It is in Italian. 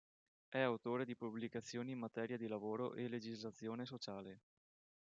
È autore di pubblicazioni in materia di lavoro e legislazione sociale.